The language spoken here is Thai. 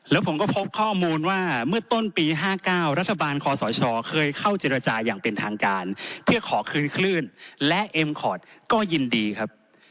แล้วผมก็พบข้อมูลว่าเมื่อต้นปี๕๙รัฐบาลคอสชเคยเข้าเจรจาอย่างเป็นทางการเพื่อขอคืนคลื่นและเอ็มคอร์ดก็ยินดีครับ